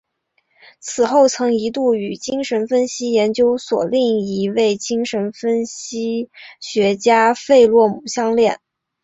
此后曾一度与精神分析研究所另一位精神分析学家弗洛姆相恋。